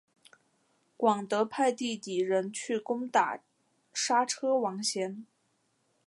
广德派弟弟仁去攻打莎车王贤。